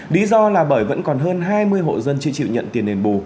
lý do là bởi vẫn còn hơn hai mươi hộ dân chưa chịu nhận tiền đền bù